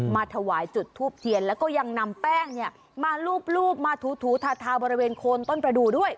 มาถวายจุดทูบเทียนแล้วก็ยังนำแป้งเนี่ยมาลูบมาถูทาบริเวณโคนต้นประดูกด้วย